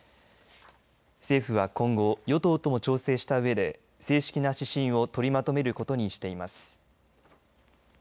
政府は今後与党とも調整したうえで正式な指針を取りまとめることにしています。